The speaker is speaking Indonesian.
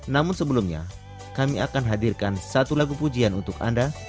namun sebelumnya kami akan hadirkan satu lagu pujian untuk anda